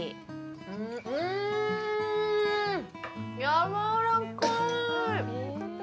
うん、やわらかい。